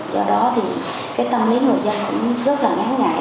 do đó thì cái tâm lý người dân cũng rất là ngắn ngại